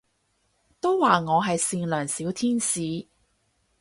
都話我係善良小天使